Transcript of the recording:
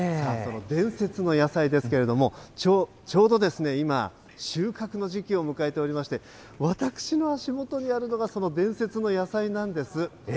その伝説の野菜ですけれども、ちょうど今、収穫の時期を迎えておりまして、私の足元にあるのが、その伝説の野菜なんです。